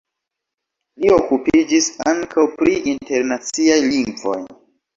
Li okupiĝis ankaŭ pri internaciaj lingvoj.